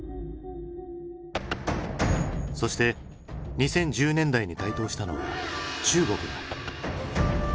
そして２０１０年代に台頭したのは中国だ。